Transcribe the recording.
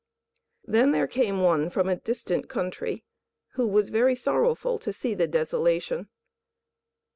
"Then there came one from a distant country who was very sorrowful to see the desolation.